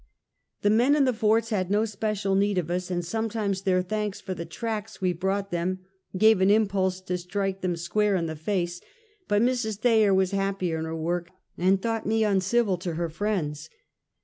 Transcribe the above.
The men in the forts had no special need of us, and sometimes their thanks for the tracts we brought them, gave an impulse to strike them square in the face, but Mrs. Thayer was happy in her work, and thought me uncivil to her friends.